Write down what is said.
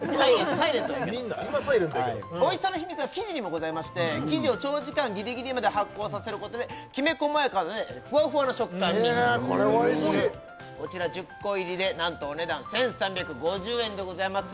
サイレントだけどみんな今サイレントやけどおいしさの秘密は生地にもございまして生地を長時間ギリギリまで発酵させることできめ細やかでふわふわの食感にえっこれおいしいこちら１０個入りで何とお値段１３５０円でございます